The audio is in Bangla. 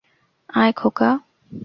আয়, খোকা।